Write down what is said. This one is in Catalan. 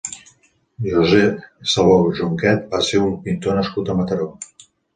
José Saló Junquet va ser un pintor nascut a Mataró.